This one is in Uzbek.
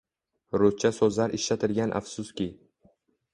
Ruscha so‘zlar ishlatilgan afsuski.